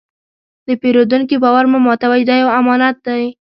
د پیرودونکي باور مه ماتوئ، دا یو امانت دی.